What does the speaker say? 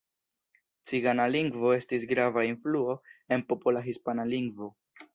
Cigana lingvo estis grava influo en popola hispana lingvo.